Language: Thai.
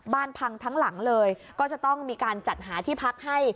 พังทั้งหลังเลยก็จะต้องมีการจัดหาที่พักให้